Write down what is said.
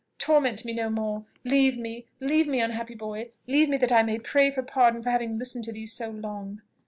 Torment me no more! Leave me, leave me, unhappy boy! leave me that I may pray for pardon for having listened to thee so long."